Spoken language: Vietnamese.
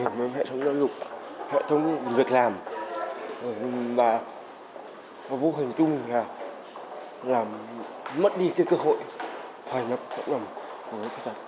hoài nhập cộng đồng người khuyết tật